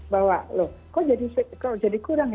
bahwa loh kok jadi kurang